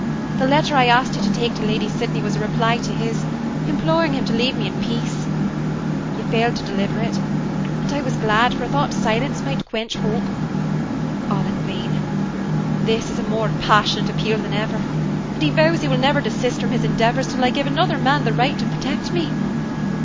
The letter I asked you to take to Lady Sydney was a reply to his, imploring him to leave me in peace. You failed to deliver it, and I was glad, for I thought silence might quench hope. All in vain; this is a more passionate appeal than ever, and he vows he will never desist from his endeavors till I give another man the right to protect me.